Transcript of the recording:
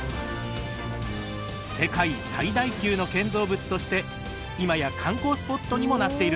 世界最大級の建造物として今や観光スポットにもなっているんですよ。